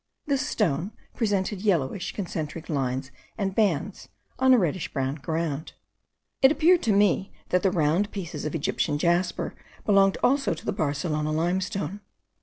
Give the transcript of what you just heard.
This stone presented yellowish concentric lines and bands, on a reddish brown ground. It appeared to me that the round pieces of Egyptian jasper belonged also to the Barcelona limestone.